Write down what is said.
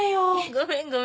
ごめんごめん。